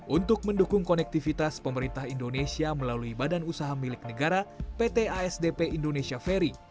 untuk mendukung konektivitas pemerintah indonesia melalui badan usaha milik negara pt asdp indonesia ferry